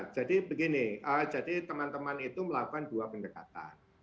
jadi begini teman teman itu melakukan dua pendekatan